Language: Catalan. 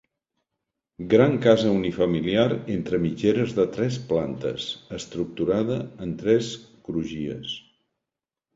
Gran casa unifamiliar entre mitgeres de tres plantes, estructurada en tres crugies.